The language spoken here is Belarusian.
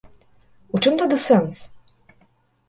У чым тады сэнс?